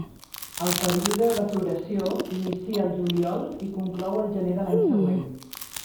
El període de floració inicia al juliol i conclou al gener de l'any següent.